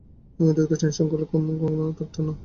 আমি অতিরিক্ত টেনশন করলে ঘুম ঠিকমত হয় না।